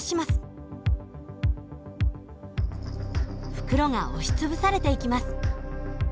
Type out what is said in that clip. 袋が押し潰されていきます。